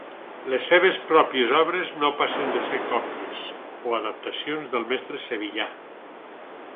Les seves pròpies obres no passen de ser còpies o adaptacions del mestre sevillà.